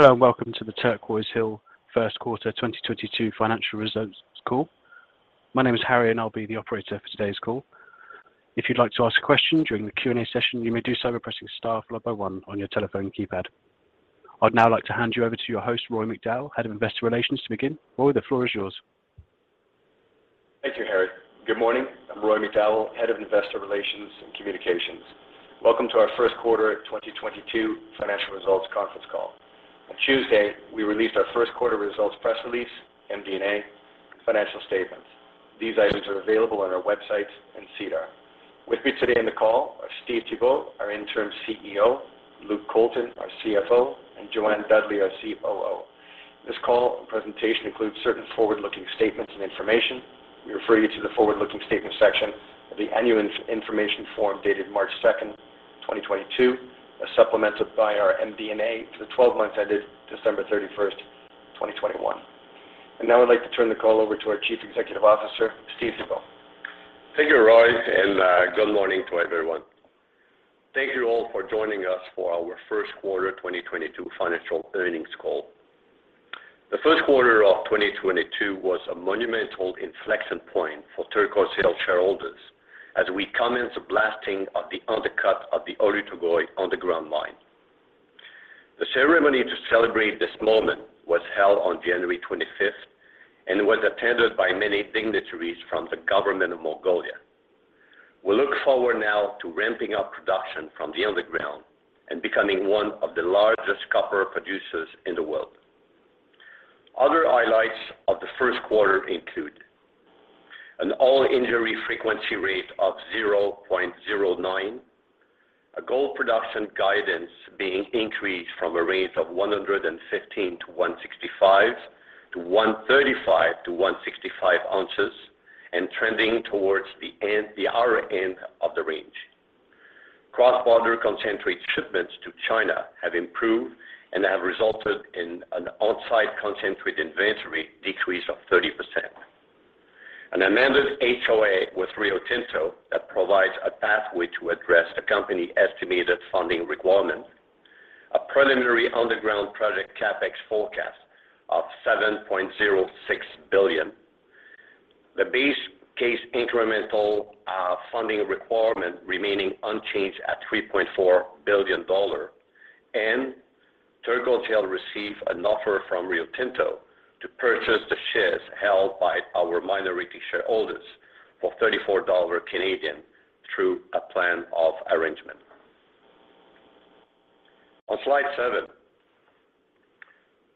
Hello, and welcome to the Turquoise Hill first quarter 2022 financial results call. My name is Harry, and I'll be the operator for today's call. If you'd like to ask a question during the Q&A session, you may do so by pressing star followed by one on your telephone keypad. I'd now like to hand you over to your host, Roy McDowall, Head of Investor Relations, to begin. Roy, the floor is yours. Thank you, Harry. Good morning. I'm Roy McDowall, Head of Investor Relations and Communications. Welcome to our first quarter 2022 financial results conference call. On Tuesday, we released our first quarter results press release, MD&A, and financial statements. These items are available on our website and SEDAR. With me today on the call are Steve Thibeault, our interim CEO, Luke Colton, our CFO, and Jo-Anne Dudley, our COO. This call and presentation includes certain forward-looking statements and information. We refer you to the forward-looking statements section of the annual information form dated March 2nd, 2022, as supplemented by our MD&A for the 12 months ended December 31st, 2021. Now I'd like to turn the call over to our Chief Executive Officer, Steve Thibeault. Thank you, Roy, and good morning to everyone. Thank you all for joining us for our first quarter 2022 financial earnings call. The first quarter of 2022 was a monumental inflection point for Turquoise Hill shareholders as we commenced blasting of the undercut of the Oyu Tolgoi underground mine. The ceremony to celebrate this moment was held on January 25th and was attended by many dignitaries from the government of Mongolia. We look forward now to ramping up production from the underground and becoming one of the largest copper producers in the world. Other highlights of the first quarter include an All Injury Frequency Rate of 0.09, a gold production guidance being increased from a range of 115-165 to 135-165 ounces and trending towards the higher end of the range. Cross-border concentrate shipments to China have improved and have resulted in an on-site concentrate inventory decrease of 30%. An amended HOA with Rio Tinto that provides a pathway to address the company estimated funding requirement. A preliminary underground project CapEx forecast of $7.06 billion. The base case incremental funding requirement remaining unchanged at $3.4 billion. Turquoise Hill received an offer from Rio Tinto to purchase the shares held by our minority shareholders for 34 Canadian dollars through a plan of arrangement. On slide seven,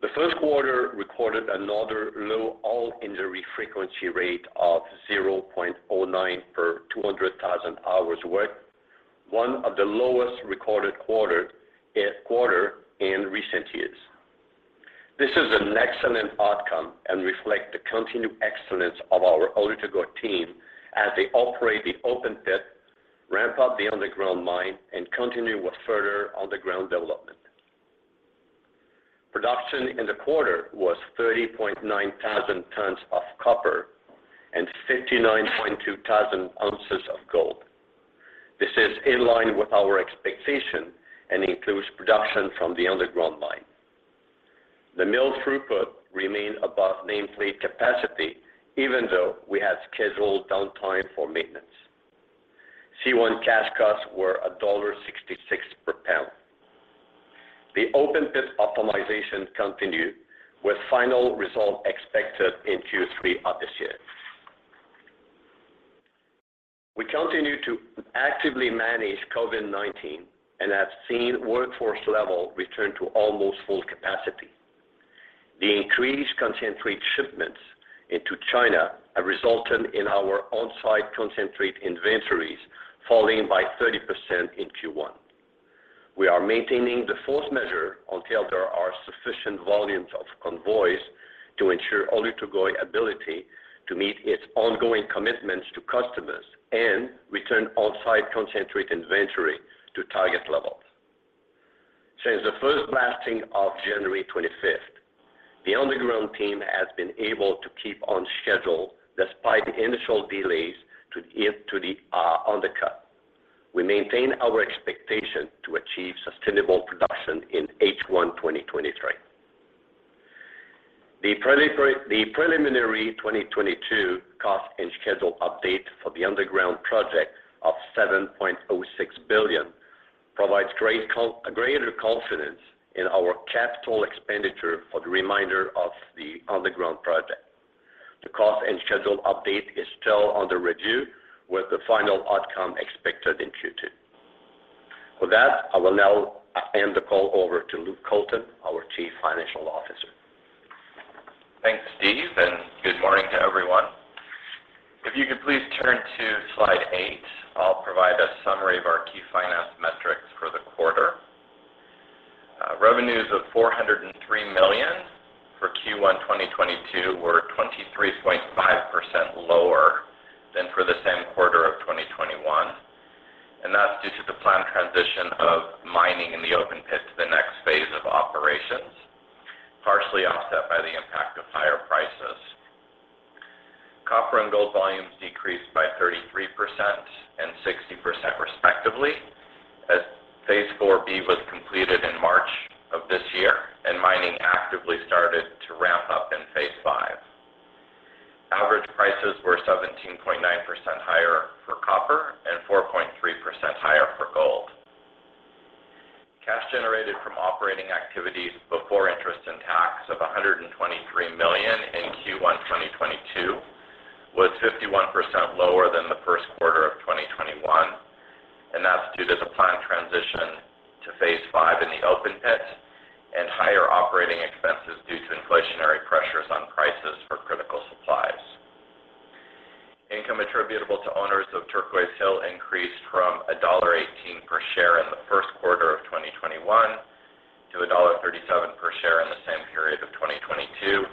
the first quarter recorded another low all injury frequency rate of 0.09 per 200,000 hours worked, one of the lowest recorded quarter in recent years. This is an excellent outcome and reflect the continued excellence of our Oyu Tolgoi team as they operate the open pit, ramp up the underground mine, and continue with further underground development. Production in the quarter was 30,900 tons of copper and 59,200 ounces of gold. This is in line with our expectation and includes production from the underground mine. The mill throughput remained above nameplate capacity even though we had scheduled downtime for maintenance. C1 cash costs were $1.66 per pound. The open pit optimization continued with final result expected in Q3 of this year. We continue to actively manage COVID-19 and have seen workforce level return to almost full capacity. The increased concentrate shipments into China have resulted in our on-site concentrate inventories falling by 30% in Q1. We are maintaining the force majeure until there are sufficient volumes of convoys to ensure Oyu Tolgoi ability to meet its ongoing commitments to customers and return on-site concentrate inventory to target levels. Since the first blasting of January 25th, the underground team has been able to keep on schedule despite the initial delays to the undercut. We maintain our expectation to achieve sustainable production in H1 2023. The preliminary 2022 cost and schedule update for the underground project of $7.06 billion provides greater confidence in our capital expenditure for the remainder of the underground project. The cost and schedule update is still under review, with the final outcome expected in Q2. With that, I will now hand the call over to Luke Colton, our Chief Financial Officer. Thanks, Steve, and good morning to everyone. If you could please turn to slide eight, I'll provide a summary of our key finance metrics for the quarter. Revenues of $403 million for Q1 2022 were 23.5% lower than for the same quarter of 2021, and that's due to the planned transition of mining in the open pit to the next phase of operations, partially offset by the impact of higher prices. Copper and gold volumes decreased by 33% and 60% respectively as phase IV-B was completed in March of this year, and mining actively started to ramp up in phase V. Average prices were 17.9% higher for copper and 4.3% higher for gold. Cash generated from operating activities before interest and tax of $123 million in Q1 2022 was 51% lower than the first quarter of 2021. That's due to the planned transition to phase V in the open pit and higher operating expenses due to inflationary pressures on prices for critical supplies. Income attributable to owners of Turquoise Hill increased from $1.18 per share in the first quarter of 2021 to $1.37 per share in the same period of 2022.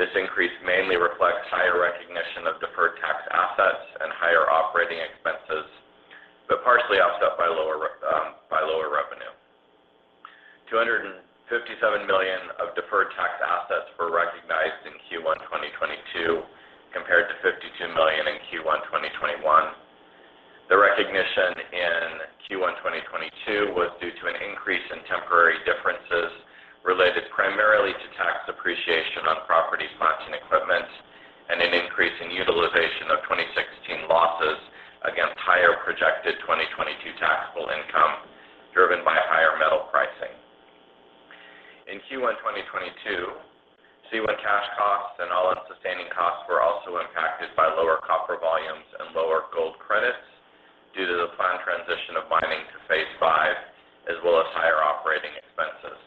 This increase mainly reflects higher recognition of deferred tax assets and higher operating expenses, but partially offset by lower revenue. $257 million of deferred tax assets were recognized in Q1 2022 compared to $52 million in Q1 2021. The recognition in Q1 2022 was due to an increase in temporary differences related primarily to tax depreciation on property, plant, and equipment, and an increase in utilization of 2016 losses against higher projected 2022 taxable income driven by higher metal pricing. In Q1 2022, C1 cash costs and all-in sustaining costs were also impacted by lower copper volumes and lower gold credits due to the planned transition of mining to phase V, as well as higher operating expenses.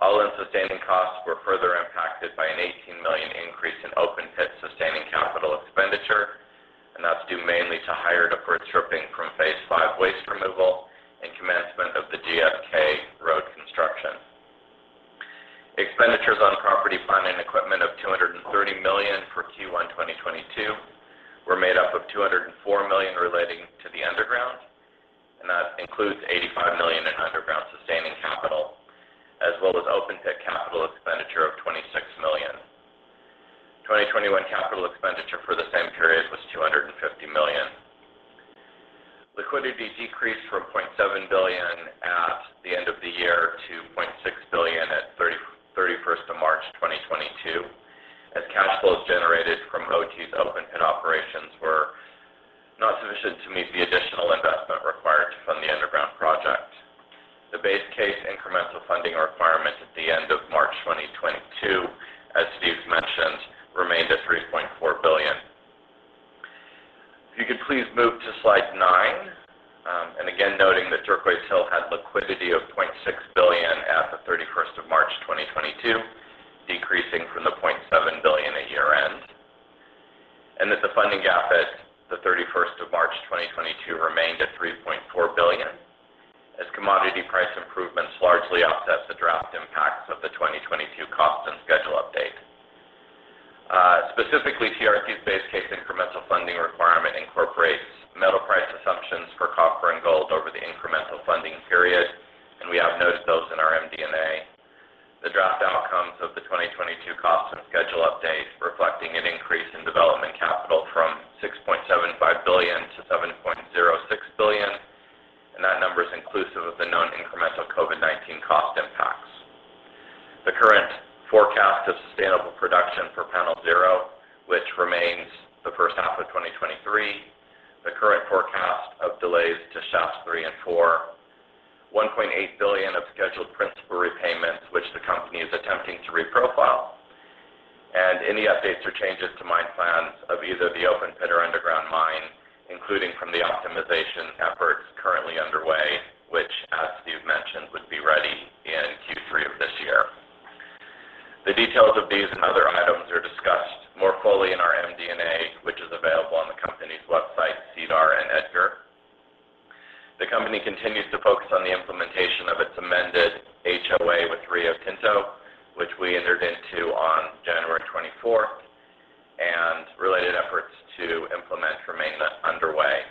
All-in sustaining costs were further impacted by an $18 million increase in open pit sustaining capital expenditure, and that's due mainly to higher deferred stripping from phase V waste removal and commencement of the GfK road construction. Expenditures on property, plant, and equipment of $230 million for Q1 2022 were made up of $204 million relating to the underground, and that includes $85 million in underground sustaining capital, as well as open pit capital expenditure of $26 million. 2021 capital expenditure for the same period was $250 million. Liquidity decreased from $0.7 billion at the end of the year to $0.6 billion at March 31st, 2022 as cash flows generated from OT's open pit operations were not sufficient to meet the additional investment required to fund the underground project. The base case incremental funding requirement at the end of March 2022, as Steve mentioned, remained at $3.4 billion. If you could please move to slide nine. Again, noting that Turquoise Hill had liquidity of $0.6 billion at March 31st, 2022, decreasing from the $0.7 billion at year-end. That the funding gap at March 31st, 2022 remained at $3.4 billion as commodity price improvements largely offset the direct impacts of the 2022 cost and schedule update. Specifically, TRQ's base case incremental funding requirement incorporates metal price assumptions for copper and gold over the incremental funding period, and we have noted those in our MD&A. The draft outcomes of the 2022 cost and schedule updates reflecting an increase in development capital from $6.75 billion to $7.06 billion, and that number is inclusive of the known incremental COVID-19 cost impacts. The current forecast of sustainable production for Panel Zero, which remains the H1 of 2023. The current forecast of delays to Shaft Three and Shaft Four. $1.8 billion of scheduled principal repayments, which the company is attempting to reprofile. Any updates or changes to mine plans of either the open pit or underground mine, including from the optimization efforts currently underway, which, as Steve mentioned, would be ready in Q3 of this year. The details of these and other items are discussed more fully in our MD&A, which is available on the company's website, SEDAR, and EDGAR. The company continues to focus on the implementation of its amended HOA with Rio Tinto, which we entered into on January 24th, and related efforts to implement remain underway.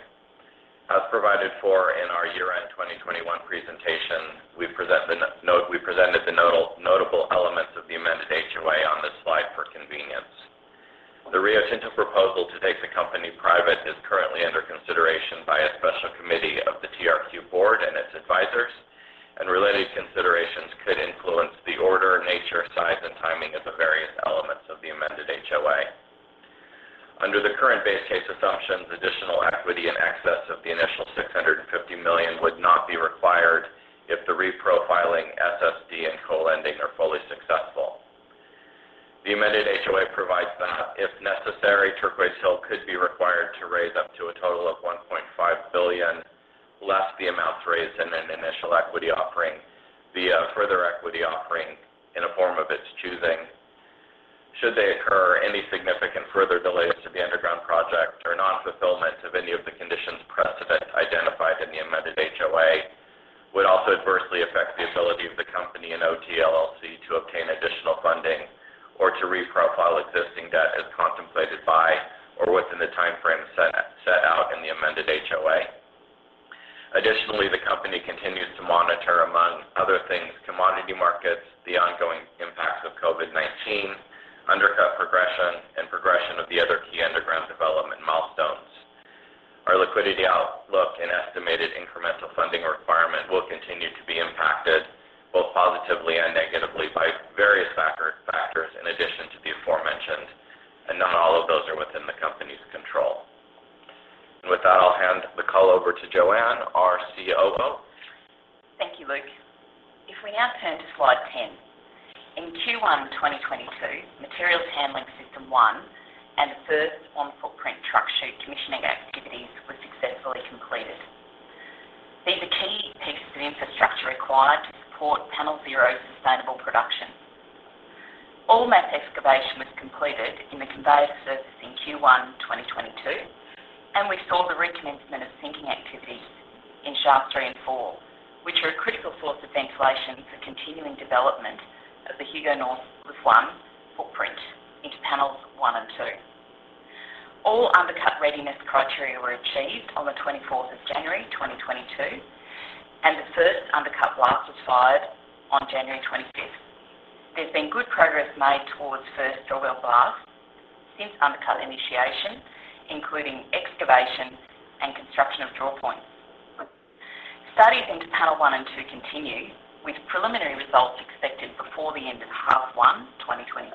As provided for in our year-end 2021 presentation, we presented the notable elements of the amended HOA on this slide for convenience. The Rio Tinto proposal to take the company private is currently under consideration by a special committee of the TRQ board and its advisors, and related considerations could influence the order, nature, size, and timing of the various elements of the amended HOA. Under the current base case assumptions, additional equity in excess of the initial $650 million would not be required if the reprofiling, SSD, and co-lending are fully successful. The amended HOA provides that if necessary, Turquoise Hill could be required to raise up to a total of $1.5 billion, less the amounts raised in an initial equity offering via further equity offering in a form of its choosing. Should there occur any significant further delays to the underground project or non-fulfillment of any of the conditions precedent identified in the amended HOA would also adversely affect the ability of the company and Oyu Tolgoi LLC to obtain additional funding or to reprofile existing debt as contemplated by the timeframe set out in the amended HOA. Additionally, the company continues to monitor, among other things, commodity markets, the ongoing impacts of COVID-19, undercut progression, and progression of the other key underground development milestones. Our liquidity outlook and estimated incremental funding requirement will continue to be impacted both positively and negatively by various factors in addition to the aforementioned, and not all of those are within the company's control. With that, I'll hand the call over to Jo-Anne, our COO. Thank you, Luke. If we now turn to slide 10. In Q1 2022, Material Handling System 1 and the first on-footprint truck chute commissioning activities were successfully completed. These are key pieces of infrastructure required to support Panel Zero's sustainable production. All ramp excavation was completed in the conveyor to surface in Q1 2022, and we saw the recommencement of sinking activities in Shaft Three and Four, which are a critical source of ventilation for continuing development of the Hugo North Lift 1 footprint into Panels One and Two. All undercut readiness criteria were achieved on January 24th, 2022, and the first undercut blast was fired on January 25th. There's been good progress made towards first drawbell blast since undercut initiation, including excavation and construction of drawpoints. Studies into Panel One and Two continue, with preliminary results expected before the end of H1 2022.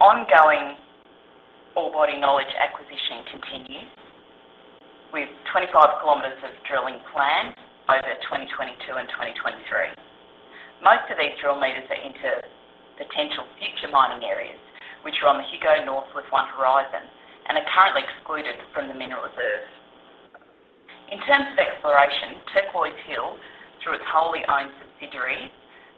Ongoing ore body knowledge acquisition continues with 25 km of drilling planned over 2022 and 2023. Most of these drill meters are into potential future mining areas, which are on the Hugo North Lift 1 horizon and are currently excluded from the mineral reserve. In terms of exploration, Turquoise Hill, through its wholly owned subsidiary,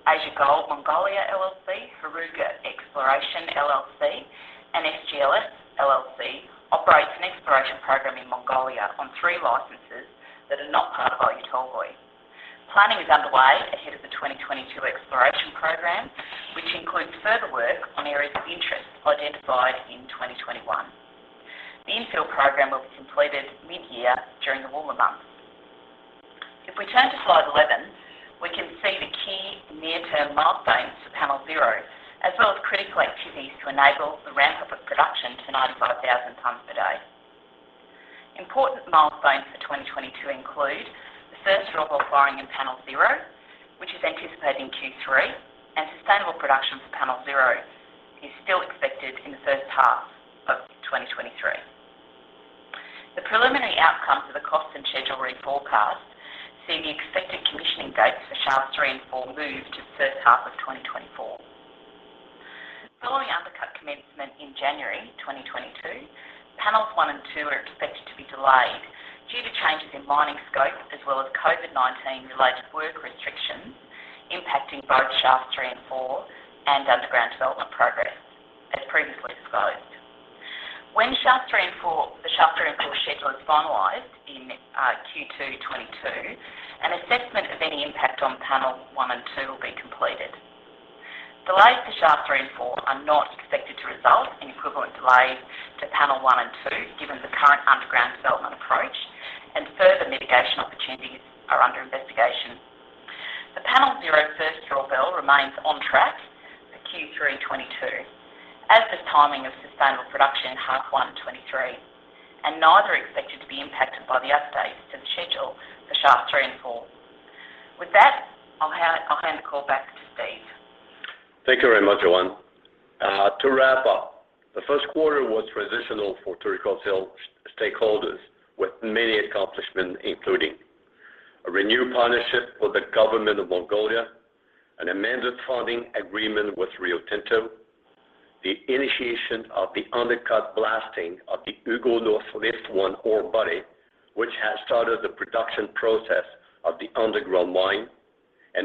Asia Gold Mongolia LLC, Heruga Exploration LLC, and SGLS LLC, operates an exploration program in Mongolia on three licenses that are not part of Oyu Tolgoi. Planning is underway ahead of the 2022 exploration program, which includes further work on areas of interest identified in 2021. The infill program will be completed mid-year during the warmer months. If we turn to slide 11, we can see the key near-term milestones for Panel Zero, as well as critical activities to enable the ramp-up of production to 95,000 tons per day. Important milestones for 2022 include the first drawbell boring in Panel Zero, which is anticipated in Q3, and sustainable production for Panel Zero is still expected in the H1 of 2023. The preliminary outcomes of the cost and scheduling forecast see the expected commissioning dates for Shafts Three and Four move to the H1 of 2024. Following undercut commencement in January 2022, Panels One and Two are expected to be delayed due to changes in mining scope as well as COVID-19 related work restrictions impacting both Shaft Three and Four and underground development progress, as previously disclosed. When the Shaft Three and Four schedule is finalized in Q2 2022, an assessment of any impact on Panel One and Two will be completed. Delays to Shaft Three and Four are not expected to result in equivalent delays to Panel One and Two, given the current underground development approach and further mitigation opportunities are under investigation. The Panel Zero first drawbell remains on track for Q3 2022, as does timing of sustainable production in H1 2023, and neither are expected to be impacted by the updates to the schedule for Shaft Three and Four. With that, I'll hand the call back to Steve. Thank you very much, Jo-Anne. To wrap up, the first quarter was transitional for Turquoise Hill stakeholders with many accomplishments, including a renewed partnership with the government of Mongolia, an amended funding agreement with Rio Tinto, the initiation of the undercut blasting of the Hugo North Lift 1 ore body, which has started the production process of the underground mine.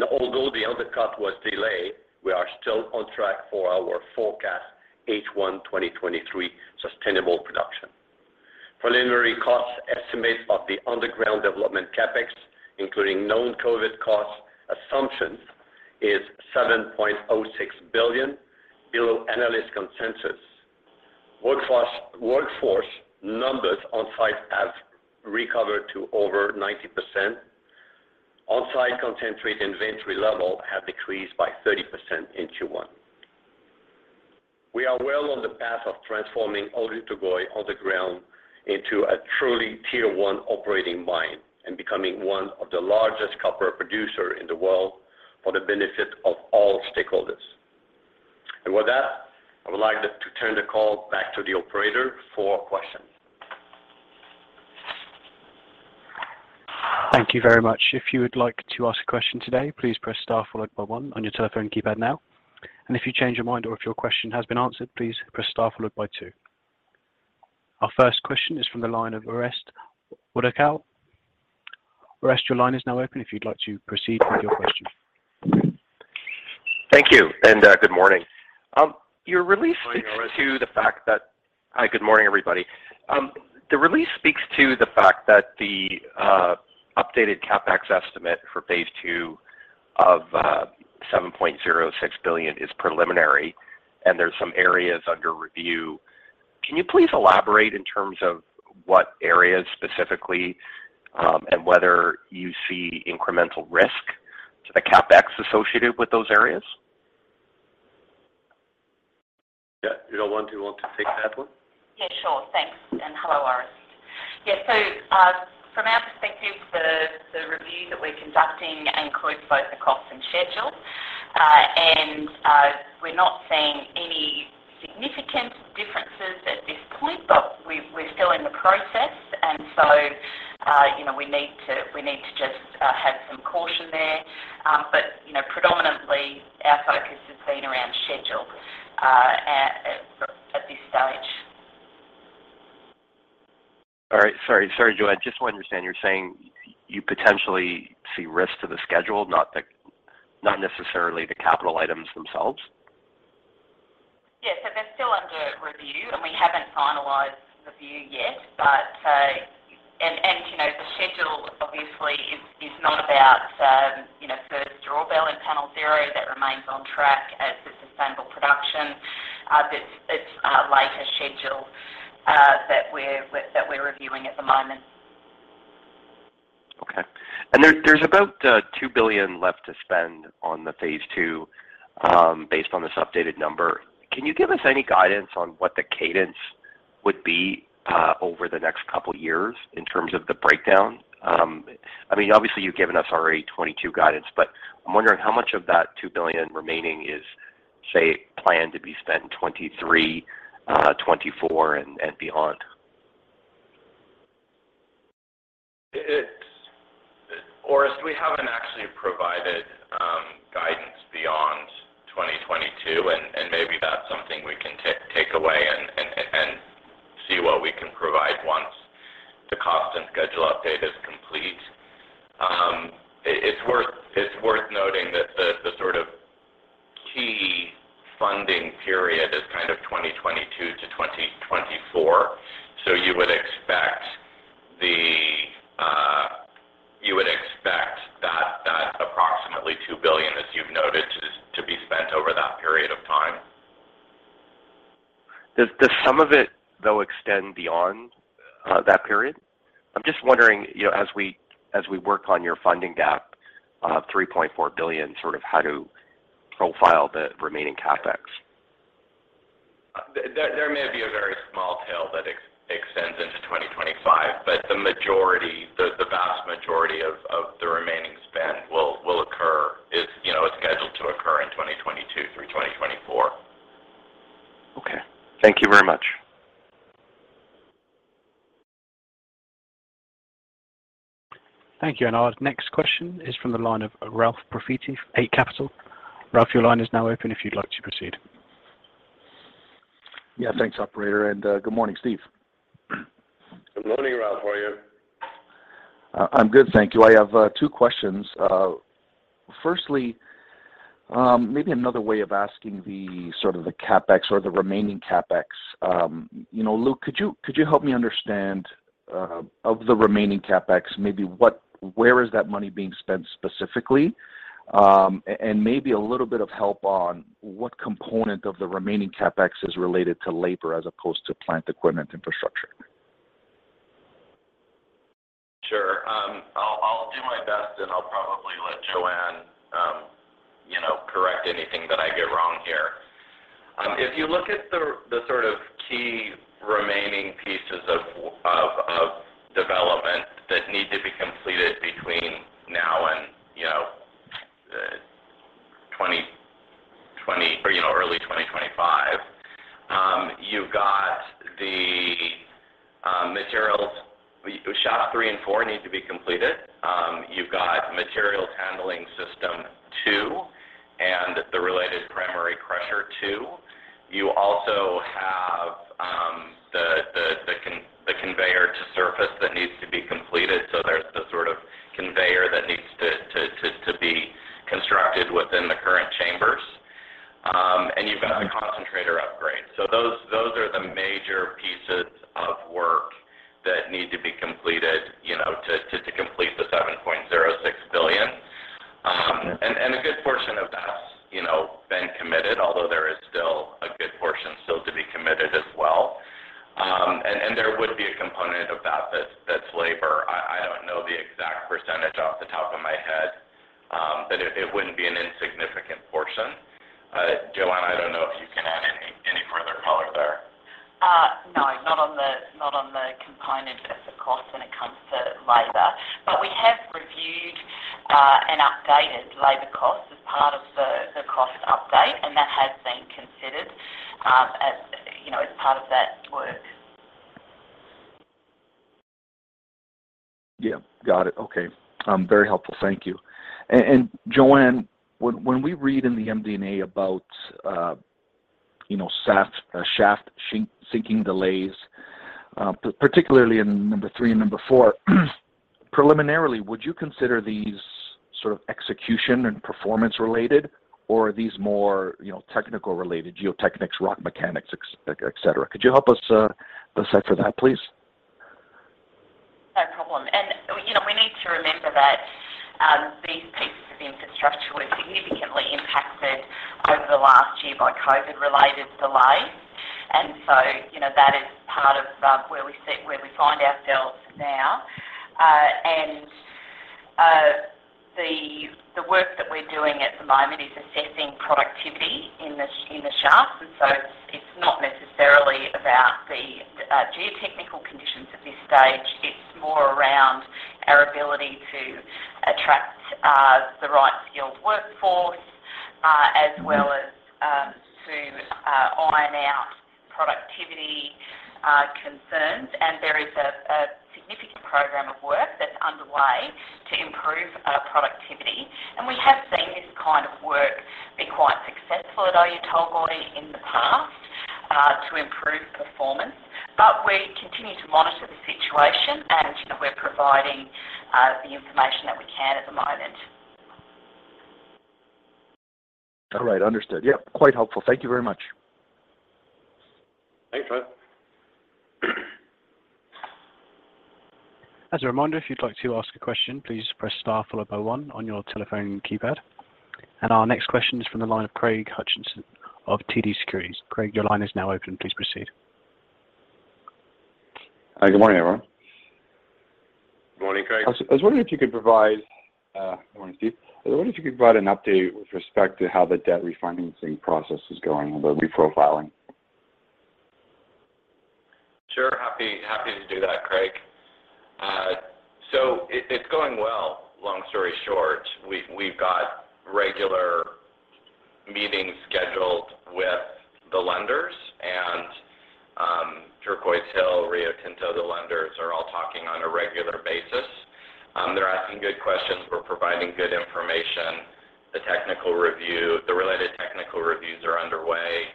Although the undercut was delayed, we are still on track for our forecast H1 2023 sustainable production. Preliminary cost estimates of the underground development CapEx, including known COVID cost assumptions, is $7.06 billion below analyst consensus. Workforce numbers on site have recovered to over 90%. On-site concentrate inventory level have decreased by 30% in Q1. We are well on the path of transforming Oyu Tolgoi underground into a truly tier one operating mine and becoming one of the largest copper producer in the world for the benefit of all stakeholders. With that, I would like to turn the call back to the operator for questions. Thank you very much. If you would like to ask a question today, please press star followed by one on your telephone keypad now. If you change your mind or if your question has been answered, please press star followed by two. Our first question is from the line of Orest Wowkodaw. Orest, your line is now open if you'd like to proceed with your question. Thank you, and good morning. Your release speaks to the fact that Morning, Orest. Hi, good morning, everybody. The release speaks to the fact that the updated CapEx estimate for phase II of $7.06 billion is preliminary and there's some areas under review. Can you please elaborate in terms of what areas specifically, and whether you see incremental risk to the CapEx associated with those areas? Yeah. Jo-Anne do you want to take that one? Yeah, sure. Thanks, and hello, Orest. Yeah. So, from our perspective, the review that we're conducting includes both the cost and schedule. We're not seeing any significant differences at this point, but we're still in the process. You know, we need to just have some caution there. But, you know, predominantly our focus has been around schedule at this stage. All right. Sorry, Jo-Anne. Just to understand, you're saying you potentially see risks to the schedule, not necessarily the capital items themselves? Yes. They're still under review, and we haven't finalized the view yet. You know, the schedule obviously is not about you know first drawbell in Panel Zero that remains on track as the sustainable production. But it's later schedule that we're reviewing at the moment. Okay. There's about $2 billion left to spend on the phase II, based on this updated number. Can you give us any guidance on what the cadence would be over the next couple years in terms of the breakdown? I mean, obviously, you've given us already 2022 guidance, but I'm wondering how much of that $2 billion remaining is, say, planned to be spent in 2023, 2024 and beyond? Orest, we haven't actually provided guidance beyond 2022, and maybe that's something we can take away and see what we can provide once the cost and schedule update is complete. It's worth noting that the sort of key funding period is kind of 2022 to 2024. You would expect that approximately $2 billion, as you've noted, to be spent over that period of time. Does some of it, though, extend beyond that period? I'm just wondering, you know, as we work on your funding gap of $3.4 billion, sort of how to profile the remaining CapEx. There may be a very small tail that extends into 2025, but the majority, the vast majority of the remaining spend will occur, you know, is scheduled to occur in 2022 through 2024. Okay. Thank you very much. Thank you. Our next question is from the line of Ralph Profiti from Eight Capital. Ralph, your line is now open if you'd like to proceed. Yeah. Thanks, operator. Good morning, Steve. Good morning, Ralph. How are you? I'm good, thank you. I have two questions. Firstly, maybe another way of asking the sort of the CapEx or the remaining CapEx. You know, Luke, could you help me understand of the remaining CapEx, maybe where is that money being spent specifically? Maybe a little bit of help on what component of the remaining CapEx is related to labor as opposed to plant equipment infrastructure. Sure. I'll do my best, and I'll probably let Jo-Anne, you know, correct anything that I get wrong here. If you look at the sort of key remaining pieces of development that need to be completed between now and, you know, 2020 or, you know, early 2025, you've got the Shaft Three and Four need to be completed. You've got Material Handling System 2 and the related primary crusher 2. You also have the conveyor to surface that needs to be completed. There's the sort of conveyor that needs to be constructed within the current chambers. And you've got a concentrator upgrade. Those are the major pieces of work that need to be completed, you know, to complete the $7.06 billion. A good portion of that's, you know, been committed, although there is still a good portion still to be committed as well. There would be a component of that that's labor. I don't know the exact percentage off the top of my head, but it wouldn't be an insignificant portion. Jo-Anne, I don't know if you can add any further color there. No, not on the component as a cost when it comes to labor. We have reviewed and updated labor costs as part of the cost update, and that has been considered, as you know, as part of that work. Yeah. Got it. Okay. Very helpful. Thank you. Jo-Anne, when we read in the MD&A about, you know, shaft sinking delays, particularly in Shaft Three and Shaft Four, preliminarily, would you consider these sort of execution and performance related, or are these more, you know, technical related geotechnics, rock mechanics, et cetera? Could you help us set the stage for that, please? No problem. You know, we need to remember that these pieces of infrastructure were significantly impacted over the last year by COVID-related delays. You know, that is part of where we sit, where we find ourselves now. The work that we're doing at the moment is assessing productivity in the shafts. It's not necessarily about the geotechnical conditions at this stage. It's more around our ability to attract the right skilled workforce, as well as to iron out productivity concerns. There is a significant program of work that's underway to improve productivity. We have seen this kind of work be quite successful at Oyu Tolgoi in the past to improve performance. We continue to monitor the situation, and, you know, we're providing the information that we can at the moment. All right. Understood. Yep, quite helpful. Thank you very much. Thanks, Ralph. As a reminder, if you'd like to ask a question, please press star followed by one on your telephone keypad. Our next question is from the line of Craig Hutchison of TD Securities. Craig, your line is now open. Please proceed. Good morning, everyone. Morning, Craig. Good morning, Steve. I was wondering if you could provide an update with respect to how the debt refinancing process is going and the reprofiling. Sure. Happy to do that, Craig. It's going well, long story short. We've got regular meetings scheduled with the lenders and Turquoise Hill, Rio Tinto. The lenders are all talking on a regular basis. They're asking good questions. We're providing good information. The technical review, the related technical reviews are underway.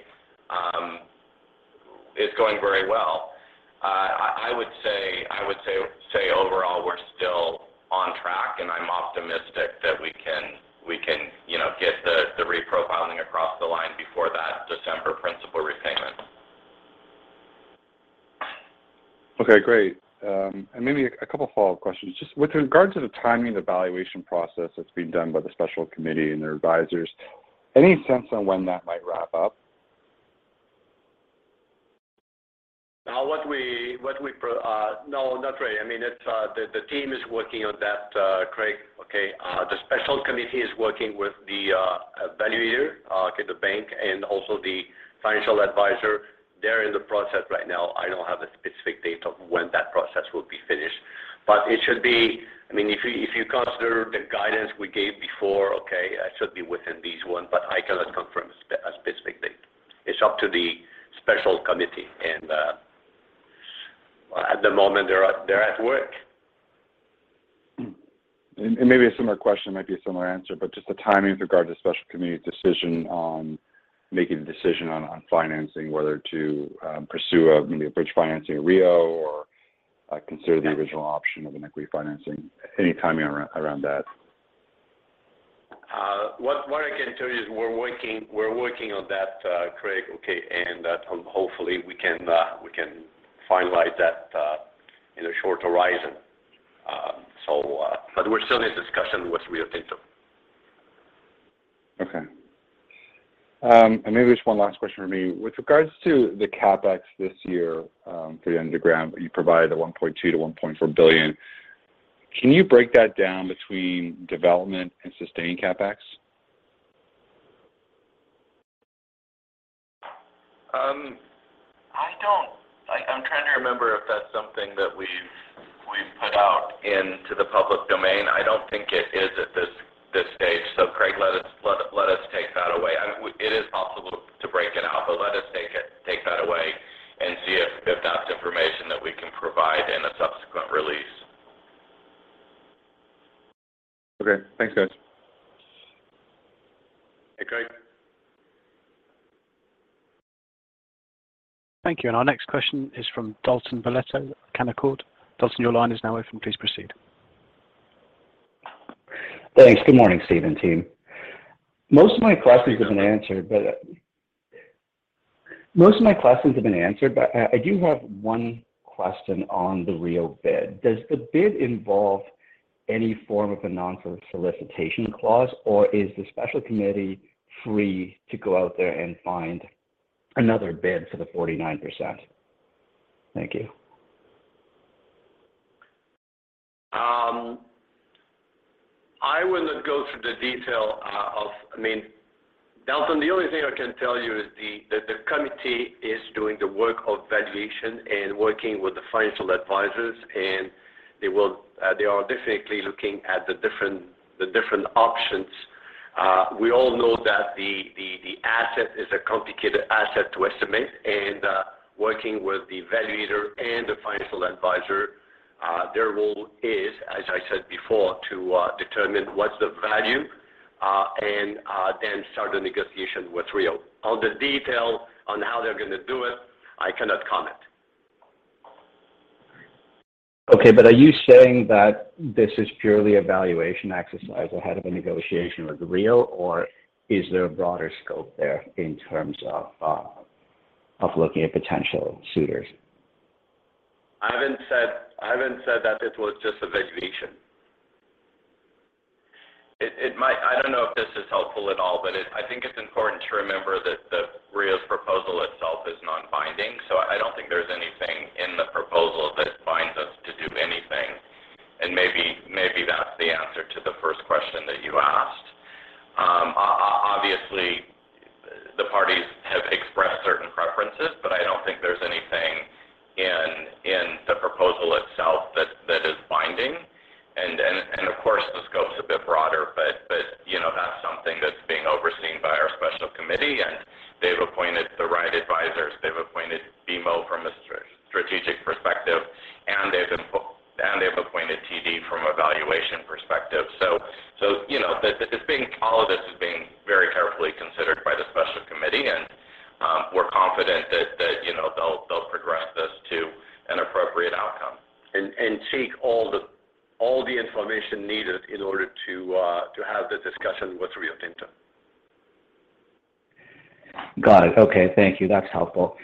It's going very well. I would say overall we're still on track, and I'm optimistic that we can you know get the reprofiling across the line before that December principal repayment. Okay, great. Maybe a couple of follow-up questions. Just with regards to the timing of the valuation process that's being done by the special committee and their advisors, any sense on when that might wrap up? No, not really. I mean, it's the team is working on that, Craig, okay? The special committee is working with the valuer, okay, the bank, and also the financial advisor. They're in the process right now. I don't have a specific date of when that process will be finished. It should be. I mean, if you consider the guidance we gave before, okay, it should be within this one, but I cannot confirm a specific date. It's up to the special committee. At the moment they're at work. Maybe a similar question, might be a similar answer, but just the timing with regard to special committee decision on making the decision on financing, whether to pursue a maybe a bridge financing with Rio or consider the original option of an equity financing. Any timing around that? What I can tell you is we're working on that, Craig, okay? Hopefully we can finalize that in a short horizon. We're still in discussion with Rio Tinto. Okay. Maybe just one last question from me. With regards to the CapEx this year, for the underground, you provided the $1.2 billion-$1.4 billion. Can you break that down between development and sustained CapEx? I'm trying to remember if that's something that we've put out into the public domain. I don't think it is at this stage. Craig, let us take that away. It is possible to break it out, but let us take that away and see if that's information that we can provide in a subsequent release. Okay. Thanks, guys. Okay. Thank you. Our next question is from Dalton Baretto, Canaccord. Dalton, your line is now open. Please proceed. Thanks. Good morning, Steve and team. Most of my questions have been answered, but I do have one question on the Rio bid. Does the bid involve any form of a non-solicitation clause, or is the special committee free to go out there and find another bid for the 49%? Thank you. I will not go through the detail. I mean, Dalton, the only thing I can tell you is the committee is doing the work of valuation and working with the financial advisors, and they are definitely looking at the different options. We all know that the asset is a complicated asset to estimate and working with the valuer and the financial advisor, their role is, as I said before, to determine what's the value and then start the negotiation with Rio. All the detail on how they're gonna do it, I cannot comment. Okay. Are you saying that this is purely a valuation exercise ahead of a negotiation with Rio, or is there a broader scope there in terms of? Of looking at potential suitors. I haven't said that it was just a valuation. It might, I don't know if this is helpful at all, but I think it's important to remember that Rio Tinto's proposal itself is non-binding. I don't think there's anything in the proposal that binds us to do anything. Maybe that's the answer to the first question that you asked. Obviously, the parties have expressed certain preferences, but I don't think there's anything in the proposal itself that is binding. Of course, the scope's a bit broader, but you know, that's something that's being overseen by our special committee, and they've appointed the right advisors. They've appointed BMO from a strategic perspective, and they've appointed TD from a valuation perspective. You know, all of this is being very carefully considered by the special committee, and we're confident that you know, they'll progress this to an appropriate outcome. Take all the information needed in order to have the discussion with Rio Tinto. Got it. Okay. Thank you. That's helpful.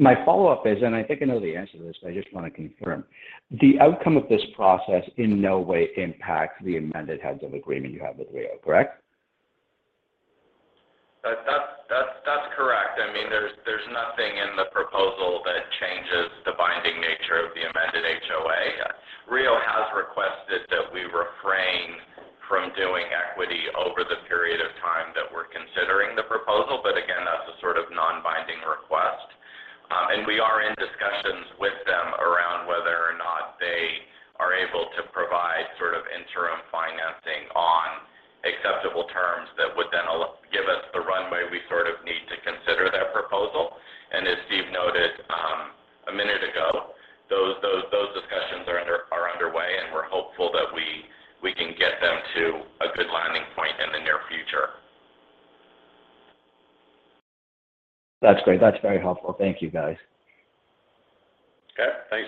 My follow-up is, and I think I know the answer to this, but I just want to confirm. The outcome of this process in no way impacts the amended heads of agreement you have with Rio, correct? That's correct. I mean, there's nothing in the proposal that changes the binding nature of the amended HOA. Rio has requested that we refrain from doing equity over the period of time that we're considering the proposal. Again, that's a sort of non-binding request. We are in discussions with them around whether or not they are able to provide sort of interim financing on acceptable terms that would then give us the runway we sort of need to consider their proposal. As Steve noted, a minute ago, those discussions are underway, and we're hopeful that we can get them to a good landing point in the near future. That's great. That's very helpful. Thank you, guys. Okay, thanks.